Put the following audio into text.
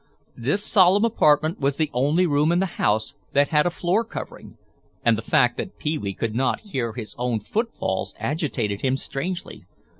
This solemn apartment was the only room in the house that had a floor covering and the fact that Pee wee could not hear his own foot falls agitated him strangely.